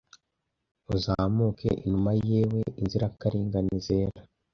uzamuke inuma yewe inzirakarengane zera